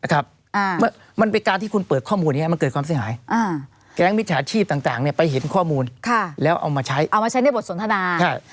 มันเป็นการที่คุณเปิดข้อมูลนี้มันเกิดความเสียหายแก๊งมิจฉาชีพต่างไปเห็นข้อมูลแล้วเอามาใช้เอามาใช้ในบทสนทนา